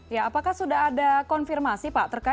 ya apakah sudah ada konfirmasi pak